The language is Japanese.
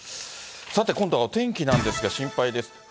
さて、今度はお天気なんですが、心配です。